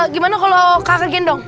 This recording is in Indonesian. gimana kalau kakak gendong